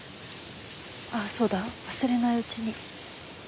ああそうだ忘れないうちに。